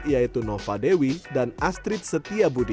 yaitu nova dewi dan astrid setia budi